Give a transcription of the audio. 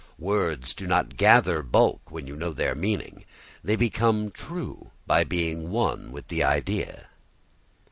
Words do no gather bulk when you know their meaning; they become true by being one with the idea.